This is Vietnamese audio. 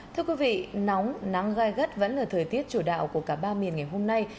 thưa quý vị nóng nắng gai gắt vẫn là thời tiết chủ đạo của cả ba miền ngày hôm nay